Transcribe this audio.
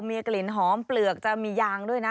มีกลิ่นหอมเปลือกจะมียางด้วยนะ